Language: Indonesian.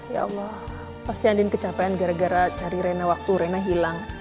ya allah pasti andi kecapean gara gara cari rina waktu rina hilang